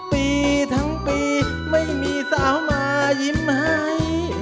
ปีทั้งปีไม่มีสาวมายิ้มให้